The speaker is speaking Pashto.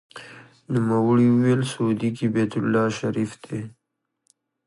نوموړي وویل: سعودي کې بیت الله شریف دی.